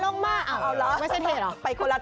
ลองไม่ได้แล้ว